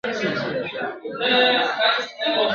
تېر به د ځوانۍ له پسرلیو لکه باد سمه ..